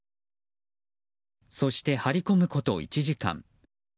そして、張り込むこと１時間。